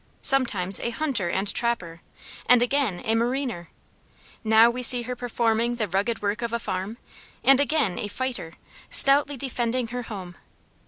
Sometimes a hunter and trapper; and again a mariner; now we see her performing the rugged work of a farm, and again a fighter, stoutly defending her home.